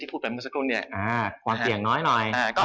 ความเสี่ยงน้อยหน่อย